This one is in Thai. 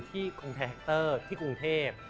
ที่คลุงเทฮักเตอร์ที่กรุงเทพ